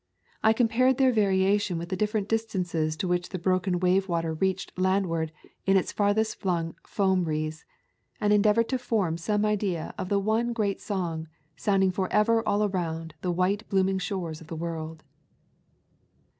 I compared their variation with the different distances to which the broken wave water reached landward in its farthest flung foam wreaths, and endeavored to form some idea of the one great song sounding forever all around the white blooming shores of the world.